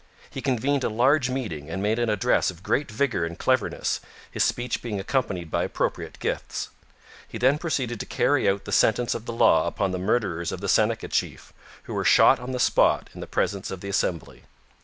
He convened a large meeting and made an address of great vigour and cleverness, his speech being accompanied by appropriate gifts. He then proceeded to carry out the sentence of the law upon the murderers of the Seneca chief, who were shot on the spot in the presence of the assembly.